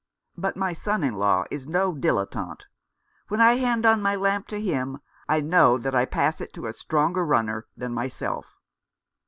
But my son in law is no dilettante. When I hand on my lamp to him I know that I pass it to a stronger runner than myself."